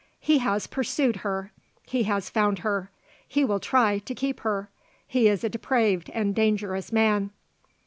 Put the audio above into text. "He has pursued her. He has found her. He will try to keep her. He is a depraved and dangerous man."